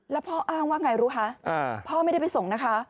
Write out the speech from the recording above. แล้วพ่ออ้างว่าไงรู้คะพ่อไม่ได้ไปส่งนะคะ